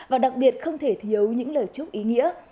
và đặc biệt không thể thiếu những lời chúc ý nghĩa